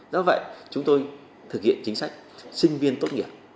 do vậy chúng tôi thực hiện chính sách sinh viên tốt nghiệp